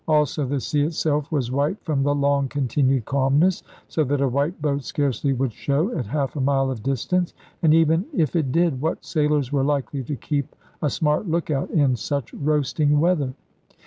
Also the sea itself was white from the long continued calmness, so that a white boat scarcely would show at half a mile of distance. And even if it did, what sailors were likely to keep a smart look out in such roasting weather?